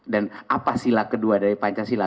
dan apa sila kedua dari pancasila